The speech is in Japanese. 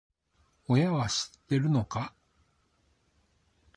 親は知ってるのか？